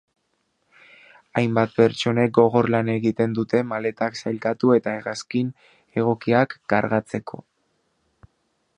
Hainbat pertsonek gogor lan egiten dute maletak sailkatu eta hegazkin egokian kargatzeko.